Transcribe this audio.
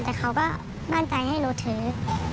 แต่เขาก็มั่นใจให้หนูถือ